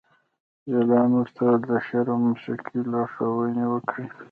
جلان ورته د شعر او موسیقۍ لارښوونې وکړې